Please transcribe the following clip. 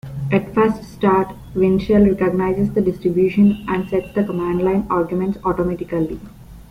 At first start, WinShell recognizes the distribution and sets the command-line arguments automatically.